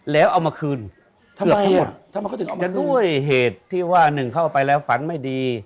แล้วเอามาคืนทำไมอ่ะทำไมเขาถึงเอามาคืนทั้งด้วยเหตุที่ว่าหนึ่งเขาเอาไปแล้วฝันไม่ดี